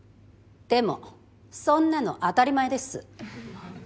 でもそんなの当たり前です。